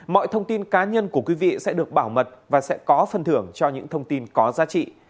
mọi thông tin cá nhân của quý vị sẽ được bảo mật và sẽ có phân thưởng cho những thông tin có giá trị